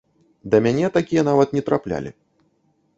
Да мяне такія нават не траплялі.